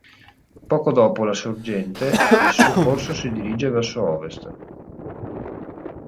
Poco dopo la sorgente, il suo corso si dirige verso ovest.